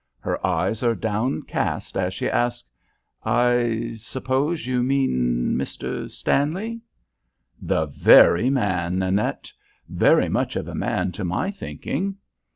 Her eyes are downcast as she asks, "I suppose you mean Mr. Stanley?" "The very man, Nanette; very much of a man to my thinking."